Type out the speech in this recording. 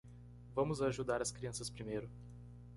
Vamos ajudar as crianças primeiro.